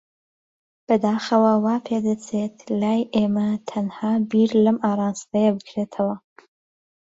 بەداخەوە، وا پێدەچێت لای ئێمە تەنها بیر لەم ئاراستەیە بکرێتەوە.